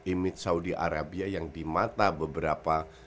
image saudi arabia yang di mata beberapa